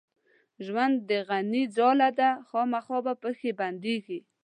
ژوند د غڼي ځاله ده خامخا به پکښې بندېږې